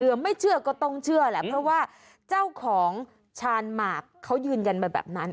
ไม่เชื่อก็ต้องเชื่อแหละเพราะว่าเจ้าของชาญหมากเขายืนยันมาแบบนั้น